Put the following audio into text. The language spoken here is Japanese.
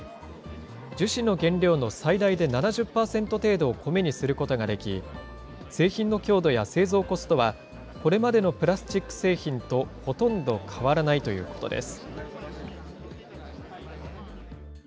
樹脂の原料の最大で７０％程度をコメにすることができ、製品の強度や製造コストは、これまでのプラスチック製品とほとんど変わらないということです。